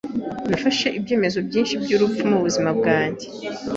Nafashe ibyemezo byinshi byubupfu mubuzima bwanjye.